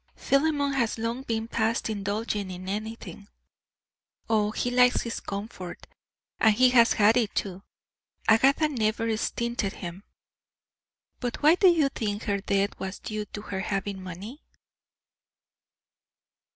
"Philemon has long been past indulging in anything." "Oh, he likes his comfort, and he has had it too. Agatha never stinted him." "But why do you think her death was due to her having money?"